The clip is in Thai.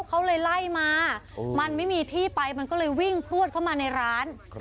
เขาเลยไล่มามันไม่มีที่ไปมันก็เลยวิ่งพลวดเข้ามาในร้าน